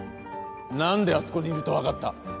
何であそこにいるとわかった？